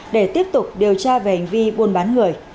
để tiếp tục điều tra về hành vi buôn bán người